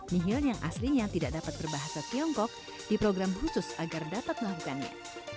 nihil yang aslinya tidak dapat berbahasa tiongkok diprogram khusus agar dapat melakukannya